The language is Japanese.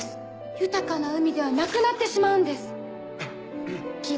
豊かな海ではなくなってしまうんですせき込み